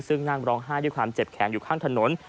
ซึ่งนั่งร้องไห้ด้วยความเจ็บแขนอยู่ข้างถนน